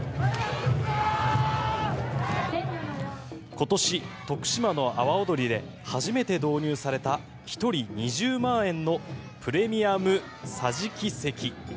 今年、徳島の阿波おどりで初めて導入された１人２０万円のプレミアム桟敷席。